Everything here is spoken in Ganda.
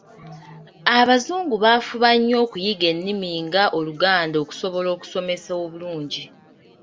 Abazungu bafuba nnyo okuyiga ennimi nga Oluganda okusobola okusomesa obulungi.